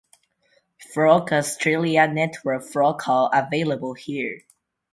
Frogs Australia Network-frog call available here.